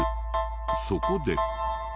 そこで。